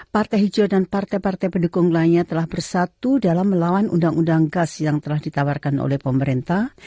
partai hijau dan partai partai pendukung lainnya telah bersatu dalam melawan undang undang gas yang telah ditawarkan oleh pemerintah